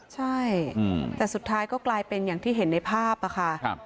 ใช่แต่สุดท้ายก็กลายเป็นอย่างที่เห็นในภาพค่ะ